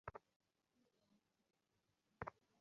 পরদিন সকালে গ্রামে ফিরিবার জন্য শশী নদীর ঘাটে আসিয়া দাড়াইল।